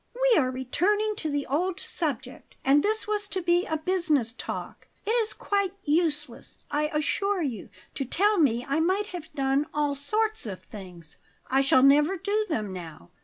"We are returning to the old subject; and this was to be a business talk. It is quite useless, I assure you, to tell me I might have done all sorts of things. I shall never do them now.